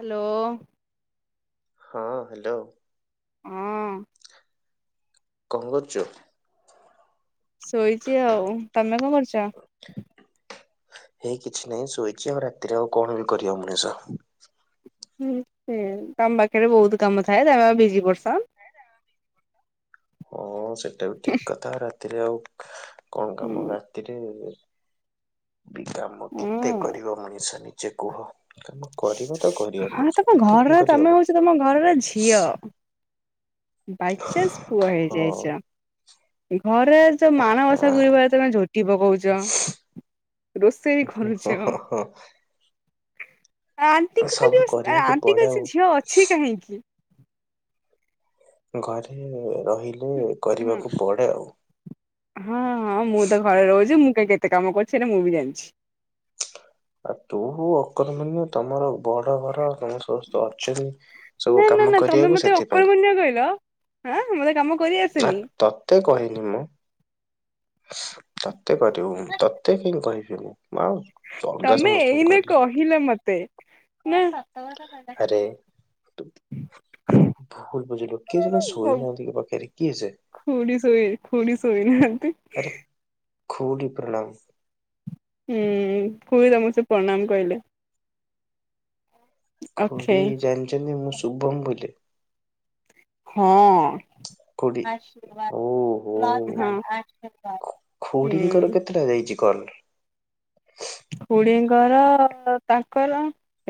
Hello. ହଁ hello. ହଁ। କଁ କରଚୁ? ଶୋଇଛି ଆଉ ତମେ କଁ କରୁଛ? ହେଇ କିଛି ନାହିଁ ଶୋଇଛି ଆଉ ରାତିରେ ଆଉ କଣ ବି କରିବ ମଣିଷ। ହୁଁ ସେ ତମ ପାଖରେ ବହୁତ କାମ ଥାଏ, ତମେ ଆ ବିଜି ପର୍ସନ୍। [inaudible] ହଁ ସେଇଟା ବି ଠିକ କଥା, ରାତିରେ ଆଉ କଣ କାମ ହୁଁ। ରାତିରେ ବି କାମ କେତେ କରିବ ମଣିଷ ନିଜେ କୁହ। କାମ କରିବ ତ କରିବ ହଁ ମଣିଷ ତମ ଏତେ କଣ ଘରର କରିହବ ତମେ ହଉଛ ତମ ଘରର ଝିଅ। ବାଇଚାନ୍ସ ପୁଅ ହଁ। ହେଇଯାଇଛ ଘରେ। ତ ମାଣବସା ହଁ ଗୁରୁବାର ତମେ ଝୋଟି ପକୋଉଛ। ରୋଷେଇ କରୁଚ ଅ। ଆଣ୍ଟି ସବୁ ଖାଲି କରିବାକୁ ଆଣ୍ଟି କ ପଡେ ଆଉ। ସେ ଝିଅ ଅଛି କାହିଁକି। ଘରେ ରହିଲେ ହଁ କରିବାକୁ ପଡ଼େ ଆଉ। ହଁ ହଁ ମୁଁ ତ ଘରେ ରହୁଛି ମୁଁ କାହି କେତେ କାମ କରୁଛି ସେଇଟା ମୁଁ ବି ଜାଣିଛି। ଆଉ ତୁ ଅକର୍ମ ତମର ବଡ ଘର। ସମସ୍ତେ ଅଛନ୍ତି ନା ସବୁ ନା ନା କାମ କରିବାକୁ ସେଥିପାଇଁ। କହିଲ। ଆ ମତେ କାମ। କରି ଆ ଆସେନି ତତେ କହିନି ମୁଁ। ତତେ କରିବୁ ମୁଁ ତତେ କାଇ ମୁଁ କହିବିିନି ମା ଆଉ ଅଲଗା ସମସ୍ତଙ୍କୁ କହିବି। କିଲ ମତେ ମୁଁ [unintelligible] ଆରେ। ଭୁଲ ବୁଝିଲୁ କିଏ ଜଣେ ସୋଇ ନାହାଁନ୍ତି ପାଖରେ କିଏ ସେ? ଖୁଡ଼ି ଶୋଇ। ଖୁଡ଼ି ସୋଇ ନାହାନ୍ତି। ଖୁଡ଼ି ପ୍ରଣାମ। ହୁଁ ଖୁଡି ତମକୁ ସେ ପ୍ରଣାମ କହିଲେ। ଅକ୍ଷୟ ଖୁଡ଼ି ଜାଣିଛନ୍ତି ମୁଁ ଶୁଭମ୍ ବୋଲି? ହଁ। ଖୁଡି ଓ ହୋ ଆର୍ଶୀବାଦ ଆଶୀର୍ବାଦ ଖୁଡିଙ୍କର ହୁଁ। କେତେଟା ଯାଇଛି କଲ୍? ଖୁଡି ଙ୍କର ତାଙ୍କର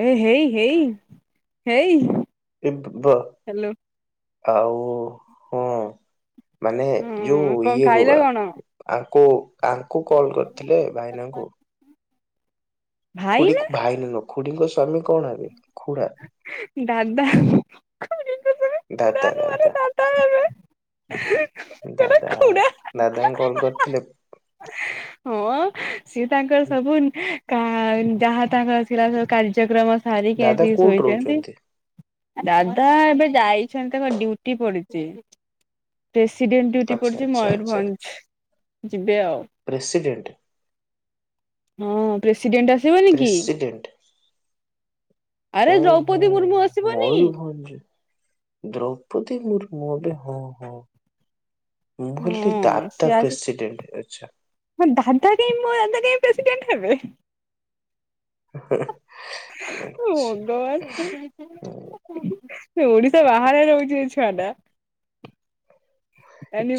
ଏ ହେଇ ହେଇ। ହେଇ। ଏବ ହ୍ୟାଲୋ ଆଉ ହଁ [unintelligible] ମାନେ ଯୋଉ ହଁ କଣ ଇଏ ଖାଇଲେ କଣ [unintelligible] ଆଙ୍କୁ। ଆଙ୍କୁ କଲ୍ କରିଥିଲେ ଭାଇନାଙ୍କୁ। ଭାଇ ନା ଖୁଡିକୁ ଭାଇ ନୁହଁ ଖୁଡିଙ୍କ ସ୍ଵାମୀ କଣ ହେବେ ଖୁଡ଼ା। ଦାଦା ଖୁଡା ଦାଦା ନୁହଁରେ ଦାଦା। ହେବେ ସେଟା ଦାଦା ଖୁଡା ଦାଦାଙ୍କୁ କଲ୍ କରିଥିଲେ। ହଁ ସିଏ ତାଙ୍କର ସବୁ। କା ଯାହା ତାଙ୍କର ଥିଲା ସବୁ କାର୍ଯ୍ୟକ୍ରମ ସାରିକି ଦାଦା ଆସିକି କୋଉଠି ଶୋଇଛନ୍ତି। ରହୁଛନ୍ତି? ଦାଦା ଏବେ ଯାଇଛନ୍ତି ତାଙ୍କ ଡ୍ୟୁଟି ପଡିଛି। ପ୍ରେସିଡେଣ୍ଟ ଡୁଟି ଆଚ୍ଛା ପଡ଼ିଛି ଆଚ୍ଛା ମୟୂରଭଞ୍ଜ ଯିବେ ଆଉ। ପ୍ରେସିଡେଣ୍ଟ୍? ହଁ ପ୍ରେସିଡେଣ୍ଟ୍ ଆସିବନି କି? ପ୍ରେସିଡେଣ୍ଟ [inaudible] ଆରେ ଦ୍ରୌପଦୀ ମୁର୍ମୁ ଆସିବନି। ହଁ ଯିବି [inaudible] ଦ୍ରୌପଦୀ ମୁର୍ମୁ ଗୋଟେ ହଁ ହଁ। ମୁଁ ଭାବିଲି ହଁ ଦାଦା ସିଏ ଆସି ପ୍ରେସିଡେଣ୍ଟ୍ ଅଛନ୍ତି। ମୋ ଦାଦା କାଇଁ ମୋ ଦାଦା କାଇଁ ପ୍ରେସିଡେଣ୍ଟ୍ ହେବେ। ହଁ। ହେ ଭଗବାନ। ହୁଁ, ଓଡିଶା ବାହାରେ ରହୁଛି ଏ ଛୁଆ ଟା।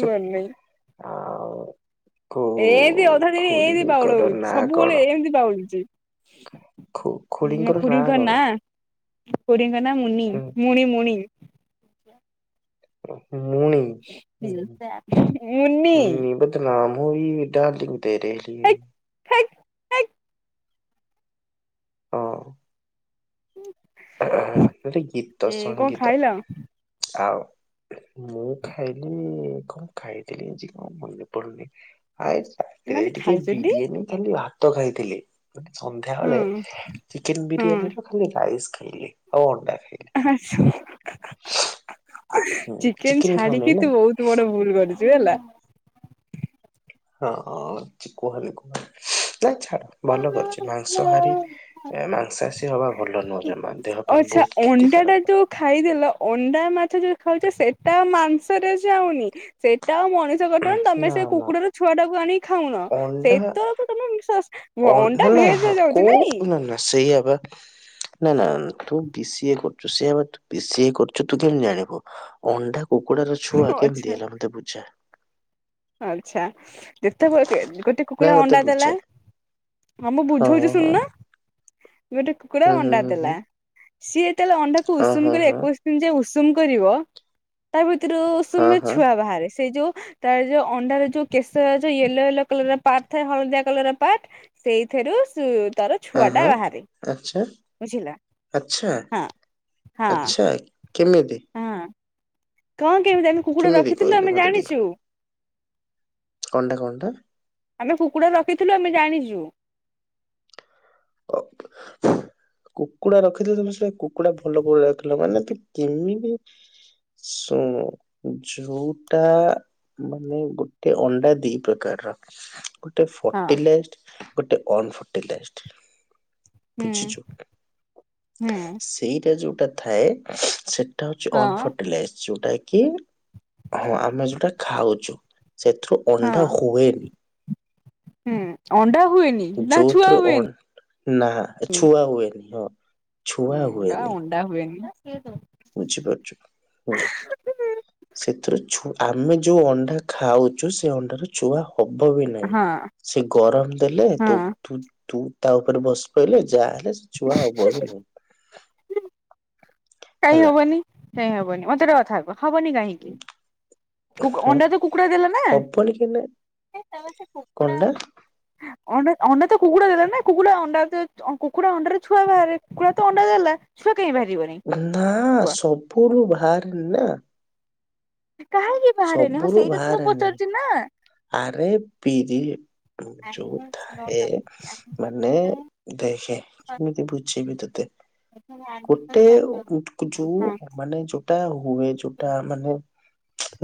ଚୋପ୍ ଆଉ କୋଉ ଏମତି ଅଧା ଦିନରେ ଏଇତି ଵାଉଳ ଖୁଡିଙ୍କର ହଉଛି ନାଁ କଣ? ସବୁବେଳେ ଏମିତି ଵାଉଳୁଛି। ଖୁ ମୋ ଖୁଡିଙ୍କର ଖୁଡିଙ୍କ କଣ? ନାଁ ଖୁଡିଙ୍କ ନାଁ ମୁନି ହୁଁ, ମୁଣି ମୁଣି। ମୁଣିି? [inaudible] ମୁନି। ନାମ ମୁଇ ଡ଼ାଲିଙ୍ଗ। ତେରେଲିଏ। ହେକେ ହେକେ ହଁ। ଗୋଟେ ଗୀତ କଣ ସଙ୍ଗୀତ ଖାଇଲ? ଆଉ। ମୁଁ ଖାଇଲି କଣ ଖାଇଥିଲି ଆଜି କଣ ମନେ ପଡୁନି। ଆ ରାତିରେ ମାନେ ଟିକେ ଖାଇଛନ୍ତି ବିରିୟାନୀ ଖାଲି ଭାତ ଖାଇଥିଲି ସନ୍ଧ୍ୟାବେଳେ ହୁଁ ଚିକେନ ହୁଁ। ବିରିୟାନୀର ଖାଲି ରାଇସ୍ ଖାଇଲି ଆଉ ଅଣ୍ଡା ଖାଇଲି। ଆଛା। ହୁଁ ଚିକେନ ଖାଉନି ଛାଡିକି ନା ତୁ ବହୁତ ବଡ ଭୁଲ କରିଛୁ ହେଲା। ହଁ କୁହନି କୁହନ ନାଇ ଛାଡ ଭଲ କରିଛି ମାଂସ ହାରି ଏ ମାଂସସୀ ହବା ଭଲ ନୁହ ଜମା ଦେହ ପାଇଁ ଆଚ୍ଛା ବହୁତ ଅଣ୍ଡା ଟା କ୍ଷତିକାରକ। ଯୋଉ ଖାଇଦେଲ ଅଣ୍ଡା ମାଛ ଯୋଉ ଖାଉଛ ସେଟା ଆଉ ମାଂସରେ ଯାଉନି ସେଟା ଆଉ ମଣିଷ କଟଣ ତମେ ନା ସେ ନା କୁକୁଡାର ଛୁଆଟାକୁ ଆଣିକି ଖାଉନ ଅଣ୍ଡା ସେଇ ତ କଟମ [unintelligible] ହ ଅଣ୍ଡା ନା ନା ଭେଜରେ ଯାଉଛି ନାଇଁ। କୋଉ ନା ନା ସେଇଆ ପା। ନା ନା ତୁ ବିସିଏ କରୁଛୁ ସେ ହେୁ ବିସିଏ କରୁଛୁ ତୁ କେମିତି ଜାଣିବୁ। ଅଣ୍ଡା କୁକୁଡାର ଛୁଆ ଆଚ୍ଛା। କେମିତି ହେଲା ମତେ ବୁଝା। ଆଚ୍ଛା। ଯେତେବେଳେ ଗୋଟେ ନାଇଁ କୁକୁଡ଼ା ମତେ ଅଣ୍ଡା ଦେଲା ବୁଝା ହଁ ମୁଁ ବୁଝଉଛି ହଁ ହଁ। ଶୁଣୁନା। ଗୋଟେ କୁକୁଡ଼ା ହୁଁ ଅଣ୍ଡା ହୁଁ ଦେଲା ହୁଁ ସିଏ ଯେତେଲେ ଅଣ୍ଡାକୁ ଉଷୁମ ହୁଁ କରି ଏକୋଇଶ ଯେ ଉଷୁମ କରିବ ତା ଭିତରୁ ହଁ ଉଷୁମରେ ହଁ ହଁ ହଁ ଛୁଆ ବାହାରେ ସେଇ ଯୋଉ ତା ଯୋଉ ଅଣ୍ଡାର ଯୋଉ କେଶର ଯଉ ୟଲୋ ୟଲୋ କଲରର ପାର୍ଟ ଏ ହଳଦିଆ କଲରର ପାର୍ଟ। ସେଇଥିରୁ ସୁ ତାର ହଁ ହଁ ଛୁଆଟା ହଁ। ବାହାରେ ଆଚ୍ଛା ବୁଝିଲ ହଁ। ହଁ ଆଛା କେମିତି? ହଁ କଣ କେମିତି ଆମେ କୁକୁଡ଼ା କେମିତି ରଖିଥିଲୁ କହିଲୁ ଆମେ ମତେ ଜାଣିଛୁ। କଣ ଟା କଣ ଟା? ଆମେ କୁକୁଡ଼ା ରଖିଥିଲୁ ଆମେ ଜାଣିଛୁ। [inaudible] କୁକୁଡା ରଖିଥିଲ ତମେ ସେ କୁକୁଡା ଭଲ କରି ରଖଥିଲ ମାନେ ତୁ କେମିତି ଶୁଣୁ ଯୋଉଟା ମାନେ ଗୋଟେ ଅଣ୍ଡା ଦି ପ୍ରକାରର। ଗୋଟେ ହଁ ଫର୍ଟିଲାଇଜ ଗୋଟେ ଅନଫର୍ଟିଲାଇଜ। ହୁଁ ବୁଝିଛୁ ହୁଁ ସେଇଟା ଯୋଉଟା ଥାଏ ସେ ଟା ହଉଛି ହଁ ଅନଫଟିଲାଇଜ ଯୋଉଟା କି ହଁ ଆମେ ଯୋଉଟା ଖାଉଛୁ ସେଥିରୁ ହଁ ଅଣ୍ଡା ହୁଏନି ହୁଁ ଅଣ୍ଡା ହୁଏନି ନା ଛୁଆ ଯଉଥିରୁ ଅଣ୍ଡ ହୁଏନି ନା ଛୁଆ ହୁଏନି ହଁ। ଛୁଆ ହୁଁ ହୁଏନି ଅଣ୍ଡା ହୁଏନି ନା [unintelligible] ବୁଝିପାରୁଛୁ ହୁଁ। ସେଥିରୁ ଛୁ ଆମେ ଯୋଉ ଅଣ୍ଡା ଖାଉଛୁ ସେ ଅଣ୍ଡ ରୁ ଛୁଆ ହଉ ହବବି ନହିଁ ହଁ ସେ ଗରମ ଦେଲେ ତୁ ହଁ ଥୁ ତୁ ତା ଉପରେ ବସି ପଇଲେ ଯାହା ହେଲେ ଛୁଆ ହବ ବି ନୁହଁ। କାଇହିଁ ହେଲା ହବନି କାଇଁ ହବନି ମତେ ଗୋଟେ କଥା କୁହ? ହବନି କାହିଁକି କୁ କୁ ହଁ ଅଣ୍ଡା ତ କୁକୁଡ଼ା ଦେଲା ନା। ହବନି ସେ ତମର ସେ କୁକୁଡ଼ା ଣ୍ଡ [inaudible] ଅଣ୍ଡା ଅଣ୍ଡା ତ କୁକୁଡ଼ା ଦେଲା ନା କୁକୁଡ଼ା ଅଣ୍ଡା କୁକୁଡ଼ା ଅଣ୍ଡାରେ ଛୁଆ ବାହାରେ କୁକୁଡ଼ା ତ ଅଣ୍ଡା ଦେଲା। ଛୁଆ କାଇଁ ବାହାରିବନି। ନା କୁହ ସବୁରୁ ବାହାରେନି ନା। କାହିଁକି? ବାହାରେନି ହଁ ସବୁରୁୁ ସେଇଟା ତ ମୁଁ ବାହାରେନି। ପଚାରୁଛି ନା। ଆରେ ପିରି ଯୋଉ ଥାଏ ମାନେ ଦେଖେ କେମିତି ବୁଝେଇିବି ତତେ ଗୋଟେ ଯୋଉ ମାନେ ଯୋଉଟା ହୁଏ ଯୋଉଟା ମାନେ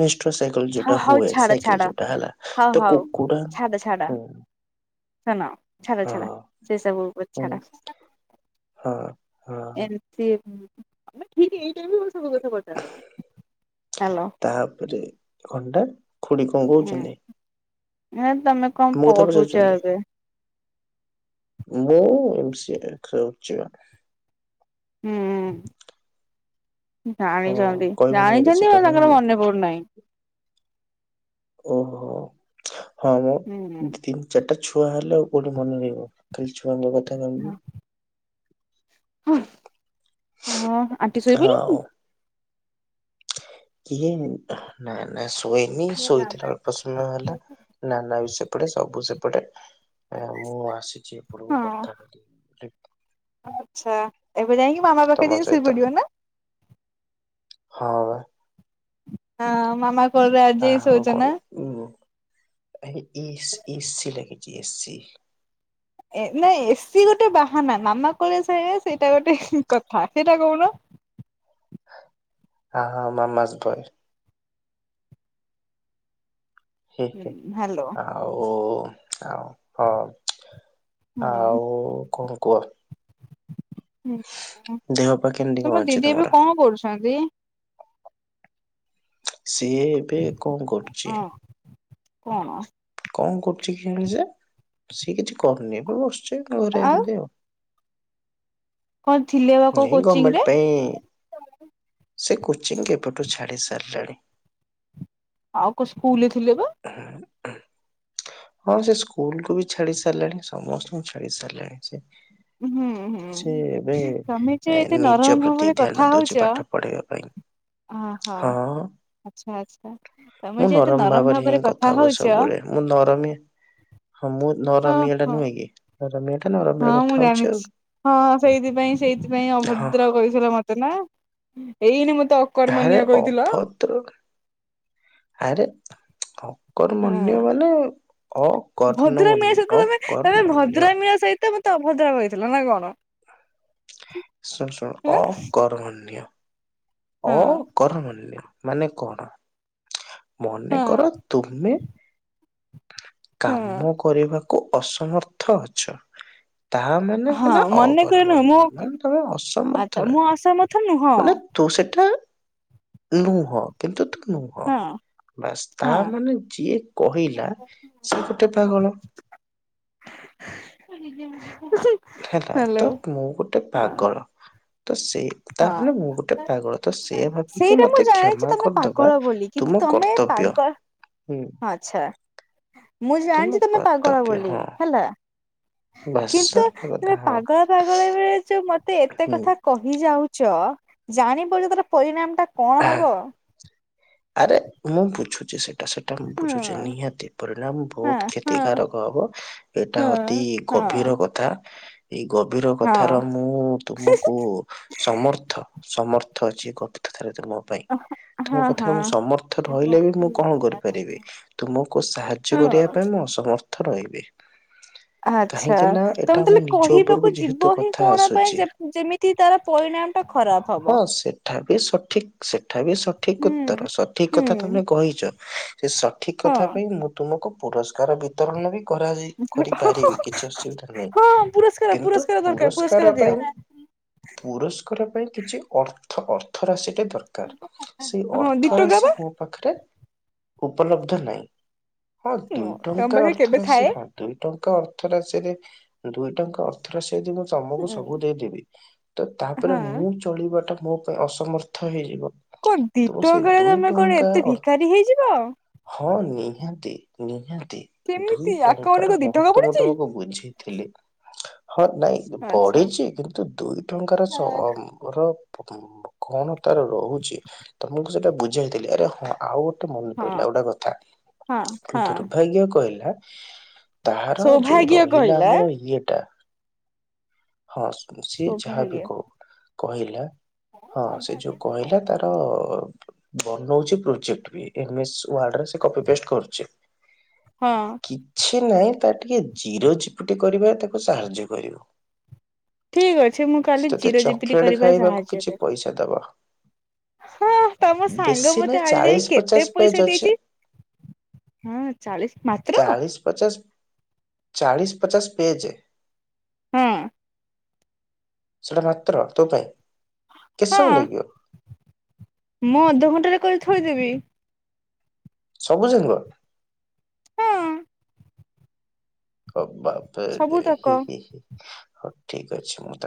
ରେଷ୍ଟୋ ସାଇକେଲ ହଁ ଯଉଟା ହଉ ହୁଏ ଛାଡ ସାଇକେଲ ଛାଡ ହେଲା ହଉ ତ ହଉ କୁକୁଡା ହୁଁ। [unintelligible] ଶ ଛାଡ ହଁ ଛାଡା ସେ ସବୁ ହୁଁ ଛାଡା ହଁ ହଁ ସ ଆମ ଠିକ ଏଇଟ ସବୁ କଥା୍ୟାଲ [unintelligible] ତାପରେ ଖଣ୍ଡ ଖୁଡି କଣ କହୁଛନ୍ତି? ହୁଁ ତମେ କଣ ମୋ କଥା ପଢୁଛ ପଚାରୁଚନ୍ତି। ଏବେ ମୁଁ ସିଏ ଖେଳୁଚନ୍ତି। ହୁଁ ହଁ ଜାଣିଛନ୍ତି କହିବୁନି ବୋଧେ ଜାଣିଛନ୍ତି ହେ ସେଟା ନାଇଁ ତାଙ୍କର କି? ମନେ ପଡୁନାଇଁ। ଓହୋ ହଁ ମ ଦିଦି। ଚାରିଟା ଛୁଆ ହେଲେ ଆଉ କୋଉଠି ମନେ ରହିବ। ଖାଲି ଛୁଆଙ୍କ କଥା ଭାବିବୁ ହୁଁ ହଁ ଆଣ୍ଟି ଶୋଇପାଇଲେ? ହଁ। କିଏ ନା ନା ଶୋଇନି ଶୋଇଥିଲା। ପ୍ରଶ୍ନ ହେଲା ନାନା ବି ସେପଟେ ସବୁ ସେପଟେ। ଓ ମୁଁ ଆସିଛି ଏ ପଟକୁ ହଁ କଥାକାଲି [unintelligible] ଆଚ୍ଛା ଏବେ ଯାଇକି ମାମା ତମ ପାଖେ ଯାଇ ସୋଇ ସହିତ ପଡିବ ନା? ହଁ। ହଁ ମାମା କୋଳରେ ଆଜି ଯାଇ କାହୁ ଶୋଉଛ ନା? କହି ଉଁ ଏ ଏସ୍ ଏ ସି ଲାଗିଛି ଏ ସି। [unintelligible] ଏ ନାଇଁ ଏସିି ଗୋଟେ ବାହାନା ମାମା କୋଳେ ଶୋଇବା ସେଇଟା ଗୋଟେ କଥା ସେଇଟା କହୁନ। ହ ହ ମାମା ସବ‌୍ଏ [unintelligible] ହେ ହୁଁ ହେ ହ୍ୟାଲୋ ଆଉ ଆଉ ହଁ ହୁଁ ଆଉ କଣ କୁହ? ହୁଁ ଦେହ ପା କେମିତି କଣ ତମ ଅଛି ଦିଦି ଏବେ ତମର? କଣ କରୁଛନ୍ତି? ସିଏ ଏବେ କଣ କରୁଛି? ହଁ କଣ? କଣ କରୁଚି କେୟାଣି ସିଏ? ସିଏ କିଛି କରୁନି ଏବେ ବସୁଛି ଘରେ ଏମତି ଆଉ। କଣ ଥିଲେ ବା କୋଉ କୋଚିଂ ରେ? ଏ ସେ କୋଚିଂ କେବେଠୁ ଛାଡ଼ି ସାରିଲାଣି। ଆଉ କୋଉ ସ୍କୁଲରେ ଥିଲେ ବା। ଆହା ଆ। ହଁ ସେ ସ୍କୁଲ କୁ ବି ଛାଡି ସାରିଲାଣି ସମସ୍ତଙ୍କୁ ଛାଡି ସାରିଲାଣି ସେ। ହୁଁ ସେ ଏବେ ହୁଁ ତମେଚେ ଏ ଏତେ ନିଜ ନରମ ପ୍ରତି ଭାବରେ ଧ୍ୟାନ କଥା ଦଉଛି ହୋଉଚ ପାଠ ପଢିବା ପାଇଁ ଅ ହୋ ହଁ। ଆଛା ଆଛା ତମେ ଯେତେହେତୁ ନରମାଲ ଭ ହୁଁ କଥା ହୁଏ ସବୁବେଳେ ମୁଁ ନରମୀଆଁ ଟା ହଁ ନରମୀଟା ନୁହେଁ କି? ନରମିଆଟା ନର ହଁ ମୁଁ ଜାଣିଛି ହଁ ସେଇଥିପାଇଁ ସେଇଥିପାଇଁ ହଁ ଅଭଦ୍ର କହିଥିଲ ମ ଦେଲା ଏଇନେ ମୁଁ ତ ଆରେ ଅଭଦ୍ର ଆରେ ଅ ହଁ କର୍ମଣ୍ୟ ମାନେ ଅକର୍ଣମ ଭଦ୍ରାମିଆ ଅ କରମର୍ଣ୍ୟ ତ ମତେ ଅଭଦ୍ର କହିଥିଲ ନା କଣ? ଶୁଣ୍ ଶୁଣ୍ ହଁ ଅକର୍ମଣ୍ୟ ଅ ହଁ କରମନ୍ୟ ମାନେ କଣ? ମନେ ହଁ କର ତୁମେ ହଁ କାମ କରିବାକୁ ଅସମର୍ଥ ଅଛ। ତାହା ମାନେ ହଁ ହେଲା ମନେକର ନୁହଁ ଅକର୍ମଣୀୟ ମୁଁ ମାନେ ତମେ ଆଚ୍ଛା ଅସମର୍ଥ ମୁଁ ରହିଚ ଅସମର୍ଥ ନୁହଁ ମାନେ ତୁ ସେଟା ନୁହଁ କିନ୍ତୁ ତୁ ନୁହଁ। ହଁ ବାସ୍ ତା ହଁ ମାନେ ଯିଏ କହିଲା ସେ ଗୋଟେ ପାଗଳ। ଉହୁଁ ହେଲା ତ ମୁଁ ଗୋଟେ ପାଗଳ ତ ସେଇ ହଁ। ତାମାନେ ମୁଁ ଗୋଟେ ପାଗଳ ତ ସେଆ ଭାବିକି ସେଇଟା ମୁଁ ମତେ ଜାଣିଛି କ୍ଷମା ତମେ କରିଦବା ପାଗଳ ତୁମ କର୍ତ୍ତବ୍ୟ। ହୁଁ ଆଛା ମୁଁ ତୁମ ଜାଣିଛି ତମେ ପାଗଳ କର୍ତ୍ତବ୍ୟ ବୋଲି ହଁ ହେଲା। ବାସ୍ କିନ୍ତୁ ସରିଲା କଥା ଏ ହଁ ପାଗଳ ପାଗଳ ଭଳିଆ ହେଚ ମତେ ଏତେ କଥା ହୁଁ କହି ଯାଉଛ ଜାଣିବ ଯେ ତାର ପରିଣାମ ଟା କଣ ହବ? ଆରେ ମୁଁ ବୁଝୁଛି ସେଇ ସେଟା ସେଟା ମୁ ହଁ ବୁଝୁଛି ନିହାତି ପରିଣାମ ହଁ ବୋହୁତ ହଁ କ୍ଷତିକାରକ ହବ। ଏଇଟା ହଁ ଅତି ହଁ ଗଭୀର କ କଥା ଏଇ ଗଭୀର ହଁ କଥାର ମୁଁ ତୁମକୁ ସମର୍ଥ ସମର୍ଥ ଅଛି ଗଭିରତା ଥାରେ ତୁମ ପାଇଁ। ତମ ହଁ କଥାରେ ହଁ ମୋ ସମର୍ଥ ରହିଲେ ବି ମୁଁ କଣ କରିପାରିବି। ତୁମକୁ ସାହାଯ୍ୟ କରିବା ହଁ ପାଇଁ ମୁଁ ଅସମର୍ଥ ରହିବି। ଆଛା କାହିଁକି ନା ଏଟା ତମେ ମୋ ତାହଲେ ନିଜ ଉପରକୁ କହିବାକୁ ଯେହେତୁ ଯିବ ହିଁ କଥା କଣ ପାଇଁ ଆସୁଛି ଯେ ଯେମିତି ତି ତାର ପରିଣାମ ଟା ଖରାପ ହଁ ହବ। ସେଠା ବି ସଠିକ ସେଠା ବି ସଠିକ ଉତ୍ତର ହୁଁ ସଠିକ ହୁଁ କଥା ତମେ କହିଚ ସେ ଠିକ୍ ହଁ କଥା ପାଇଁ ମୁଁ ତୁମକୁ ପୁରସ୍କାର ବିତରଣ ନେବି। କରାଯାଇ କରିପାରିବି କିଛି ଅସୁବିଧା ନାହିଁ ହଁ ପୁରସ୍କାର କିନ୍ତୁ ପୁରସ୍କାର ଦରକାର ପୁରସ୍କାର ଦିଅ ପାଇଁ ପୁରସ୍କାର ପାଇଁ କିଛି ଅର୍ଥ ଅର୍ଥ ରାଶି ଟା ଦରକାର। ସେଇ ହଁ ଦି ଅର୍ଥ ଟଙ୍କା ରାଶି ବା ମୋ ପାଖରେ ଉପଲବ୍ଧ ନାହିଁ। ହଁ ଦୁଇ ତମ ଟଙ୍କା ପାଖରେ ଅର୍ଥ କେବେ ରାଶି ଥାଏ ହଁ ଦୁଇ ଟଙ୍କା ଅର୍ଥ ରାଶିରେ ଦୁଇ ଟଙ୍କା ଅର୍ଥ ଧର ସେଜଦି ମୁଁ ତମକୁ ସବୁ ଦେଇଦେବି ତ ତାପରେ ହଁ ମୁଁ ଚଳିବା ଟା ମୋ ପାଇଁ ଅସମର୍ଥ ଅଥ ହୋଇଇଯିବ। କଣ ଦିଟଙ୍କା ରେ ତମେ କଣ ଏତେ ଅର୍ ଭିକାରୀ ହେଇଯିବ। ହଁ ନିହାତି ନିହାତି। ଦୁଇ କେମିତି ଆକାଉଣ୍ଟ ଟଙ୍କାର କଣ ଦି ଟଙ୍କା ମହତ୍ତଵ ମୁଁ ପଡୁଛି ତମକୁ ବୁଝି ଥଲି। ହଁ ନାଇଁ ଆଚ୍ଛା ବଢିଛି କିନ୍ତୁ ଦୁଇ ଟଙ୍କାର [unintelligible] ର [unintelligible] କଣ ତାର ରହୁଛି ତମକୁ ସେଇଟା ବୁଝାଇଥିଲି। ଆରେ ହଁ ଆଉ ଗେ ମନେ ପଡିଲା ହଁ ଗୋଟା କଥା। ହଁ ହଁ। ଦୁର୍ଭାଗ୍ୟ କହିଲା ତାହାର ଯୋଉ ସୌଭାଗ୍ୟ ରହିଲା କହିଲା ଆମର ଇଏ ଟା, ହଁ। ସିଏ ଯାହା ବି ସୌଭାଗ୍ୟ କହୁ। କହିଲା, ହଁ ସେ ଯଉ ତାର ବଉଛି ପ୍ରୋଜେକ୍ଟ ବି, ଏମେସ ୱାର୍ଡ ରେ ସେ କପି ପେଷ୍ଟ କରୁଛି। ହଁ। କିଛି ନାହିଁ ତା ଟିକେ ଜିରୋ ଚିପୁଟି କରିବ ତାକୁ ସାହାଯ୍ୟ କରିବ। ଠିକ ଅଛି ମୁଁ ସେ କାଲି ତତେ ଚିର ଜୀବିତ ଚକୋଲେଟ କରିବାରେ ଖାଇବାକୁ ସାହାଯ୍ୟ କିଛି କରିବି। ପଇସା ଦବ। ହଁ ତମ ସାଙ୍ଗ ବେଶୀ ମତେ ନାହିଁ ଆଜି ଯାଏଁ ଚାଳିଶ କେତେ ପଚାଶ ପେଜ ପଇସା ଅଛି ଦେଇଛି। ହଁ ଚାଳିଶ, ମାତ୍ର। ଚାଳିଶ ପଚାଶ, ଚାଳିଶ ପଚାଶ ପେଜ, ହଁ। ସେଟା ମାତ୍ର ତୋ ପାଇଁ, କେତେ ସମୟ ହଁ ଲାଗିବ? ମୁଁ ଅଧଘଣ୍ଟାରେ କରି ଥୋଇଦେବି। ସବୁ ଯାଙ୍କ? ହଁ। ହ ବାପ ସବୁ ଦେହି। ତକ ହଉ ଠିକ ଅଛି ମ।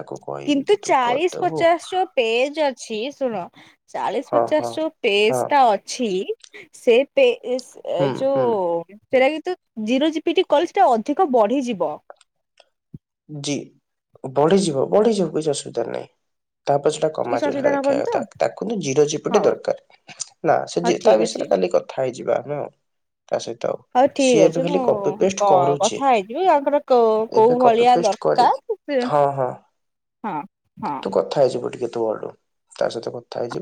କିନ୍ତୁ ଚାଳିଶ ପଚାଶ ର ପେଜ ଅଛି, ଶୁଣ? ଚାଳିଶ ହଁ ହଁ। ପଚାଶ ର ପସ୍ ହଁ ଟା ଅ ଅଛି, ସେ ହୁଁ [unintelligible] ଯଉ ହୁଁ ସେଇଟା କିତୁ ଜିରୋ ଜପିଟି କଲଟା ଅଧିକ ବଢିଯିବ। ଜି ବଢିଯିବ ବଢିଯିଉ କିଛି ଅସୁବିଧା ନାହିଁ। ତାପଛ, କିଛି ଅସୁବିଧା ହବନି ତ [unintelligible] ତାକୁକିନ୍ତୁ ଜିରୋ ଚିପ୍ଟ ହଉ ଦରକାର। ନା ହଉ ସେଜେ ତା ଠିକ ଅଛି ବିଷୟରେ କାଲି କଥା ହେଇଯିବା [unintelligible] ହଉ ଠିକ ଏବେ ଅଛି ମୁଁ ଖାଲି କପି ପେଷ୍ଟ କ କରୁଛି କଥା ହେଇଯିବି ଆଙ୍କର କ କୋଉ ଏବେ କପି ଭଳିଆ ପେଷ୍ଟ କରିକି ଦରକାର [unintelligible] ହଁ ହଁ, ହଁ। ଥା ହେଇଯିବ ଟିକେ ତୁ ଆ। ତା ସହିତ କଥା ହେଇଯିବ